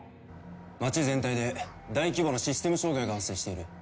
街全体で大規模なシステム障害が発生している。